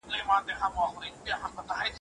کېدای سي ټولنيزې ستونزې د وخت په تېرېدو حل سي.